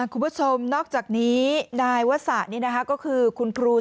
คุณผู้ชมนอกจากนี้ได้ว่าศาสตร์นี้นะคะก็คือคุณครู